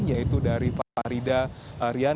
yaitu dari farida rian